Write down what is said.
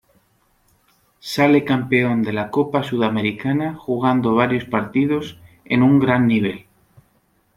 Sale campeón de la Copa Sudamericana jugando varios partidos en un gran nivel.